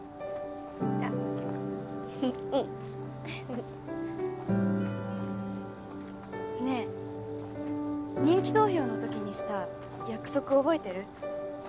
あっうんねぇ人気投票の時にした約束覚えてる？